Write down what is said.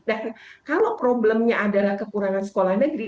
dan kalau problemnya adalah kekurangan sekolah negeri